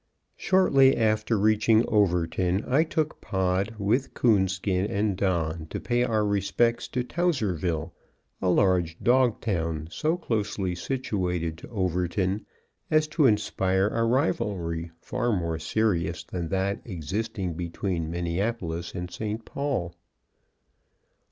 _ Shortly after reaching Overton, I took Pod with Coonskin and Don to pay our respects to Towserville, a large dog town so closely situated to Overton as to inspire a rivalry far more serious than that existing between Minneapolis and St. Paul.